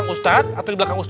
gue sama keboku